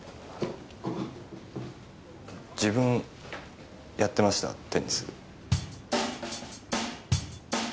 自分やってましたテニス。